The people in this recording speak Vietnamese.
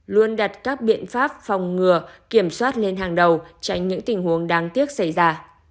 luôn đặt các biện pháp phòng ngừa kiểm soát lên hàng đầu tránh những tình huống đáng tiếc xảy ra